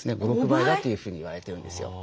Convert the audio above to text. ５６倍だというふうに言われてるんですよ。